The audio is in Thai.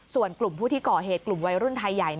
ส่วนกลุ่มผู้ที่ก่อเหตุกลุ่มวัยรุ่นไทยใหญ่